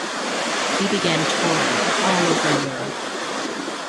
He began touring all over Europe.